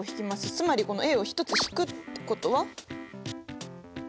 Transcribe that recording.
つまりこのを１つ引くってことは？